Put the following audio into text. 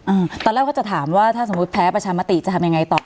อ่าตอนแรกเขาจะถามว่าถ้าสมมุติแพ้ประชามติจะทำยังไงต่อ